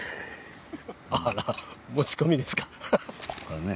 あら持ち込みですか。